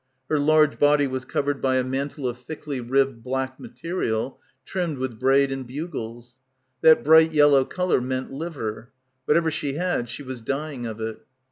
Her large body was covered by a mantle of thickly ribbed black material trimmed with braid and bugles. That bright yellow colour meant liver. Whatever she had she was dying of it.